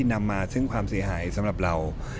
นำมาซึ่งความเสียหายสำหรับเรา